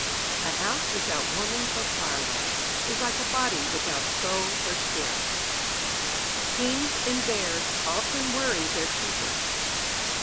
A house without woman or firelight is like a body without soul or spirit. Kings and bears often worry their keepers.